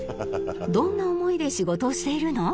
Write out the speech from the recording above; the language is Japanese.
どんな思いで仕事をしているの？